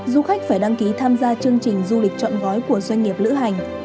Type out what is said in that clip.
du khách phải đăng ký tham gia chương trình du lịch chọn gói của doanh nghiệp lữ hành